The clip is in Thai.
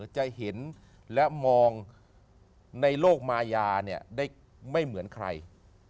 จะเห็นและมองในโลกมายาเนี่ยได้ไม่เหมือนใคร